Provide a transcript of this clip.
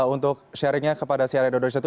untuk sharingnya kepada si arie dodojatu